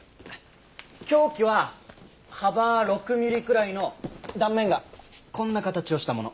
凶器は幅６ミリくらいの断面がこんな形をしたもの。